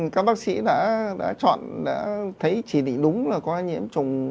các bác sĩ đã chọn đã thấy chỉ định đúng là có nhiễm trùng